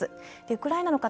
ウクライナの方